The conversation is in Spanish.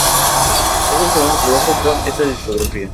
Este es el segundo trabajo con esta discográfica.